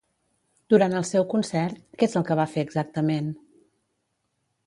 Durant el seu concert, què és el que va fer exactament?